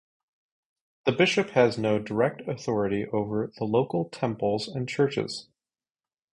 The bishop has no direct authority over the local temples and churches.